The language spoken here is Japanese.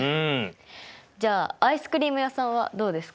じゃあアイスクリーム屋さんはどうですか？